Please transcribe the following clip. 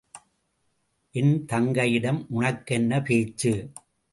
என் தங்கையிடம் உனக்கென்ன பேச்சு?